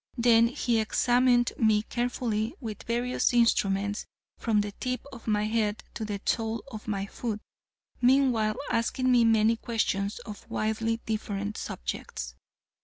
Then he examined me carefully, with various instruments, from the tip of my head to the sole of my foot, meanwhile asking me many questions on widely different subjects.